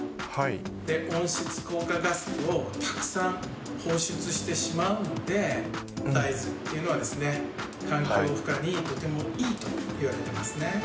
温室効果ガスをたくさん放出してしまうので、大豆っていうのは、環境負荷にとてもいいと言われていますね。